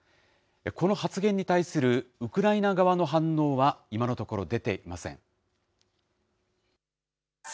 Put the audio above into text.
この発言に対するウクライナ側の反応は、今のところ出ていません。